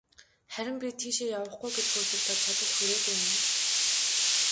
Харин би тийшээ явахгүй гэж хөөцөлдөөд, чадал хүрээгүй юм.